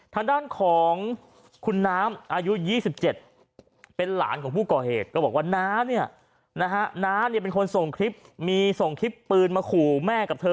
ทางด้านของคนน้ามอายุ๒๗เป็นหลานของผู้ก่อเหตุบอกว่าน้าเป็นคนส่งคลิปมีส่งคลิปปืนมาขู่แม่กับเธอ